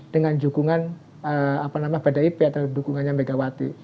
dengan dukungan badaipi atau dukungannya megawati